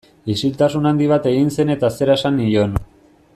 Isiltasun handi bat egin zen eta zera esan nion.